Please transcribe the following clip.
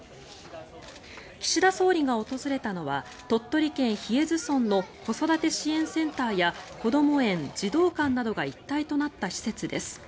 岸田総理が訪れたのは鳥取県日吉津村の子育て支援センターやこども園、児童館などが一体となった施設です。